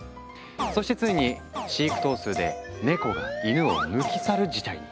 そしてついに飼育頭数でネコがイヌを抜き去る事態に。